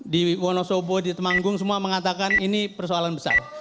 di wonosobo di temanggung semua mengatakan ini persoalan besar